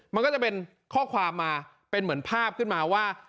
มันก็จะเป็นข้อความมาเป็นเหมือนภาพขึ้นมาว่า